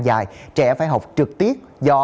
dài trẻ phải học trực tiếp do